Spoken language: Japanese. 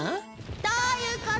どういうこと！？